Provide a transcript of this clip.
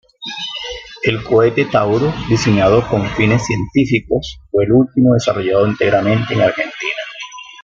El cohete Tauro, diseñado con fines científicos, fue el último desarrollado íntegramente en Argentina.